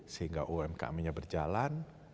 sehingga umkmnya berjalan